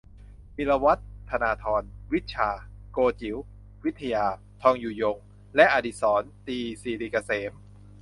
นิธิวัฒน์ ธราธร วิชชา โกจิ๋ว วิทยา ทองอยู่ยง และ อดิสรณ์ ตรีสิริเกษม